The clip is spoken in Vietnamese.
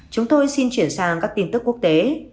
chúng tôi xin chuyển sang các tin tức quốc tế